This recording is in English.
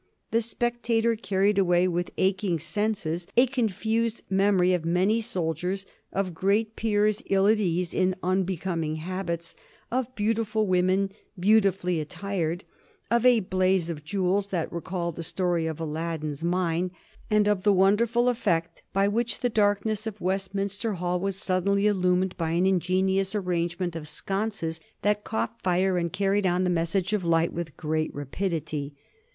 The spectator carried away, with aching senses, a confused memory of many soldiers, of great peers ill at ease in unbecoming habits, of beautiful women beautifully attired, of a blaze of jewels that recalled the story of Aladdin's mine, and of the wonderful effect by which the darkness of Westminster Hall was suddenly illuminated by an ingenious arrangement of sconces that caught fire and carried on the message of light with great rapidity.